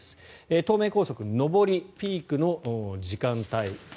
東名高速上りピークの時間帯